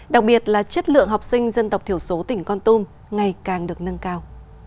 đặc biệt là chất lượng học sinh dân tộc thiểu số tỉnh con tum ngày càng được nâng cao